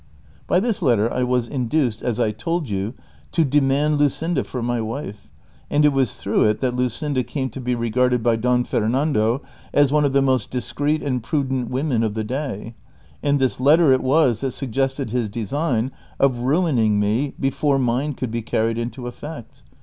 By this letter I was induced, as I told you, to demand Luscinda for my wife, and it was through it that Luscinda came to be I'egarded by Don Fernando as one of the most discreet and prudent women of the day, and this letter it was that suggested his design of ruining me before mine could be carried into effect.